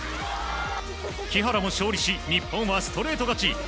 木原も勝利し日本はストレート勝ち。